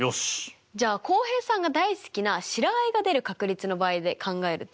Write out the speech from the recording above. じゃあ浩平さんが大好きな白あえが出る確率の場合で考えると？